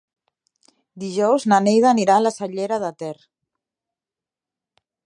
Dijous na Neida anirà a la Cellera de Ter.